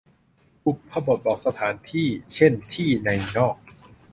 บุพบทบอกสถานที่ เช่น ที่ ใน นอก